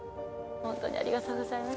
ホントにありがとうございます。